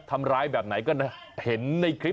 ทำร้ายแบบไหนก็นะ